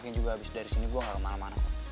lagian juga abis dari sini gue gak kemana mana